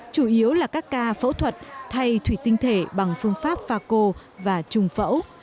chủ yếu là các ca phẫu thuật thay thủy tinh thể bằng phương pháp pha cô và trùng phẫu